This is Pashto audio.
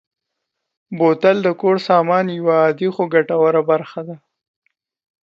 بوتل د کور سامان یوه عادي خو ګټوره برخه ده.